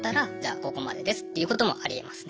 ここまでですっていうこともありえますね。